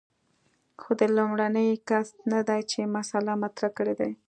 خو دی لومړنی کس نه دی چې مسأله مطرح کړې ده.